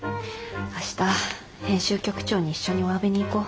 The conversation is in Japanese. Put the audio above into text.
明日編集局長に一緒におわびに行こう。